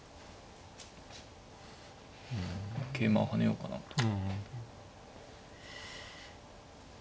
桂馬を跳ねようかなと。